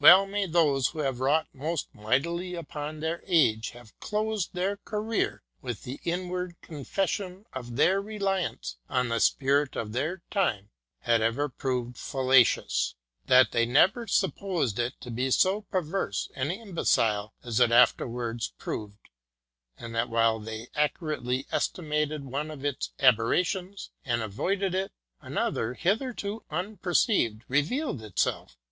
Well may those who have wrought most mightily upon their age have closed their career with the inward confession that their reliance on the spirit of their time had ever proved fallacious, that they never supposed it to be so perverse and imbecile as it afterwards proved, and that while they accurately estimated one of its aberrations and avoided it, another, hitherto unperceived, revealed itself.